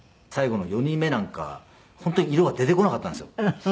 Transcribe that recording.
最後の４人目なんか本当に色が出てこなかったんですよ。